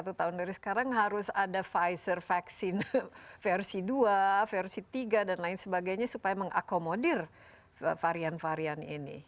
satu tahun dari sekarang harus ada pfizer vaksin versi dua versi tiga dan lain sebagainya supaya mengakomodir varian varian ini